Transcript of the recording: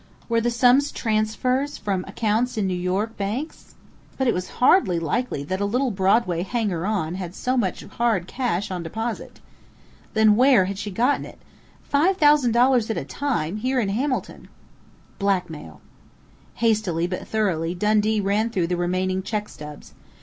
Were the sums transfers from accounts in New York banks? But it was hardly likely that a little Broadway hanger on had had so much hard cash on deposit. Then where had she got it $5,000 at a time, here in Hamilton? Blackmail! Hastily but thoroughly Dundee ran through the remaining check stubs....